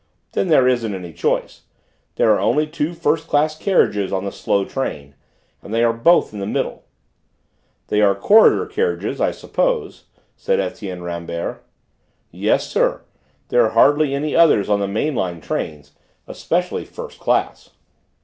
"Then there isn't any choice. There are only two first class carriages on the slow train, and they are both in the middle." "They are corridor carriages, I suppose?" said Etienne Rambert. "Yes, sir; there are hardly any others on the main line trains, especially first class."